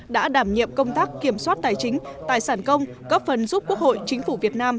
đã đảm nhiệm công tác kiểm soát tài chính tài sản công góp phần giúp quốc hội chính phủ việt nam